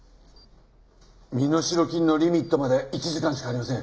身代金のリミットまで１時間しかありません。